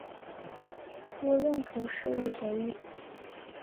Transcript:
多用途事务协议。